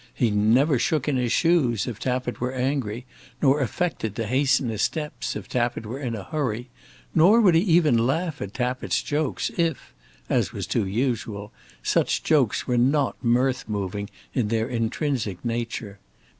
He never shook in his shoes if Tappitt were angry, nor affected to hasten his steps if Tappitt were in a hurry, nor would he even laugh at Tappitt's jokes, if, as was too usual, such jokes were not mirth moving in their intrinsic nature.